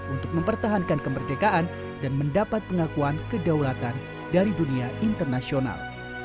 untuk mempertahankan kemerdekaan dan mendapat pengakuan kedaulatan dari dunia internasional